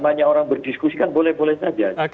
namanya orang berdiskusi kan boleh boleh saja